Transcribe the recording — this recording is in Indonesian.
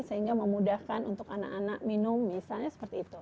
sehingga memudahkan untuk anak anak minum misalnya seperti itu